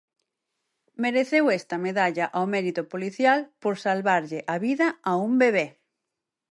Mereceu esta medalla ao mérito policial por salvarlle a vida a un bebé.